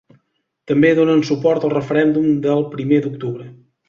També donen suport al referèndum del primer d’octubre.